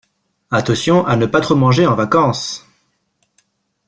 Attention à ne pas trop manger en vacances.